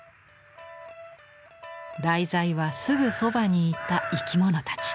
題材はすぐそばにいた生き物たち。